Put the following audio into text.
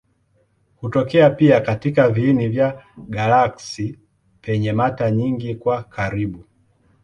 Hutokea pia katika viini vya galaksi penye mata nyingi kwa karibu.